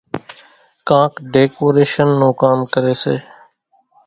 ڪانڪ ڍيڪوريشنَ نون ڪام ڪريَ سي۔